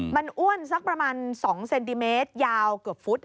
มันอ้วนสักประมาณ๒เซนติเมตรยาวเกือบฟุต